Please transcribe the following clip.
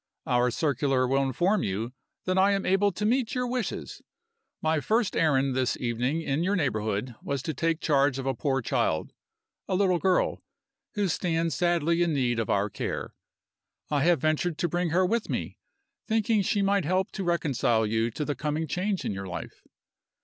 Our circular will inform you that I am able to meet your wishes. My first errand this evening in your neighborhood was to take charge of a poor child a little girl who stands sadly in need of our care. I have ventured to bring her with me, thinking she might help to reconcile you to the coming change in your life.